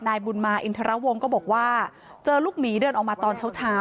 นายบุญมาอินทรวงก็บอกว่าเจอลูกหมีเดินออกมาตอนเช้า